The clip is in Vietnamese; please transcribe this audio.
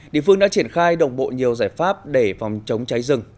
địa phương đã triển khai đồng bộ nhiều giải pháp để phòng chống cháy rừng